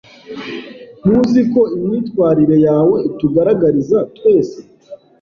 Ntuzi ko imyitwarire yawe itugaragariza twese?